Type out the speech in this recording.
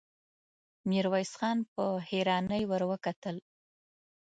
ميرويس خان په حيرانۍ ور وکتل.